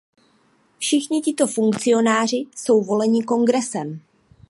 Všichni tito funkcionáři jsou voleni kongresem.